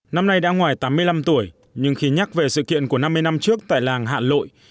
năm nay đã ngoài tám mươi năm tuổi nhưng khi nhắc về sự kiện của năm mươi năm trước tại làng hạ lội